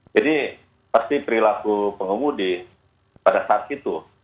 jadi pasti perilaku pengemudi pada saat itu